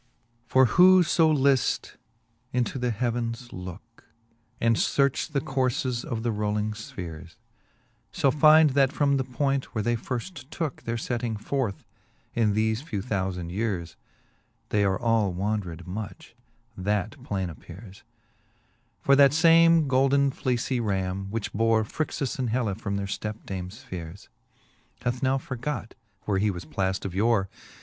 V. For Canto L the Faerie ^eene. i V. For whofo Hfte into the heavens looke, And fearch the courfes of the fowling fpheares, Shall find, that from the point, where they firft tooke Their fetting forth, in thefe few thoufand yeares They all are wandred much : that plaine appeares. For that fame golden fleecy ram, which bore Phrixus and Helle from their ftepdames feares, Hath .now forgot, where he was plaft of yore